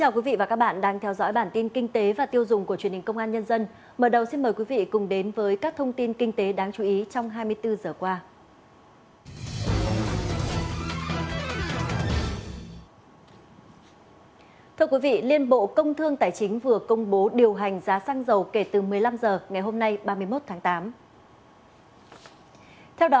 các bạn hãy đăng ký kênh để ủng hộ kênh của chúng mình nhé